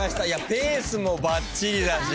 ペースもばっちりだし。